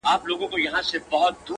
د انسانیت سره دا یو قول کومه ځمه-